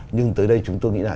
nhưng tới đây chúng tôi nghĩ là